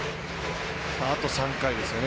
あと３回ですよね。